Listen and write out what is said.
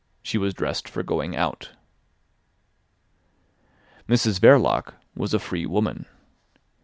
She was dressed for going out. Mrs Verloc was a free woman.